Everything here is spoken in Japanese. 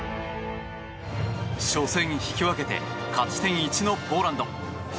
初戦、引き分けて勝ち点１のポーランド。